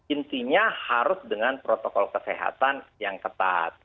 intinya harus dengan protokol kesehatan yang ketat